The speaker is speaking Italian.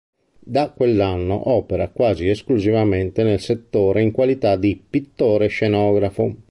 Da quell'anno opera quasi esclusivamente nel settore in qualità di “pittore scenografo”.